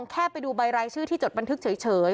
แค่ไปดูใบรายชื่อที่จดบันทึกเฉย